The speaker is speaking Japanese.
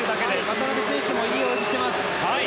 渡辺選手もいい泳ぎをしています。